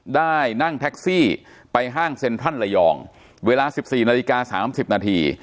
ได้นั่งแท็กซี่ไปห้างเซ็นทรัลระยองเวลา๑๔นาฬิกา๓๐นาที